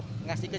saya tidak tahu